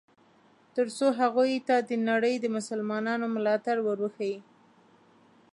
ترڅو هغوی ته د نړۍ د مسلمانانو ملاتړ ور وښیي.